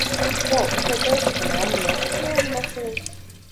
Klau, es jau teicu, ka mamma nopirka jaunu mašīnu?